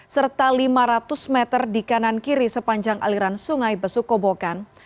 serta lima ratus meter di kanan kiri sepanjang aliran sungai besukobokan